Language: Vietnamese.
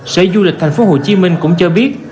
sở du lịch tp hcm cũng cho biết